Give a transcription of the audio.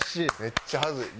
めっちゃ恥ずい。